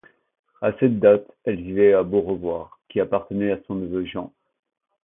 À cette date, elle vivait à Beaurevoir, qui appartenait à son neveu Jean.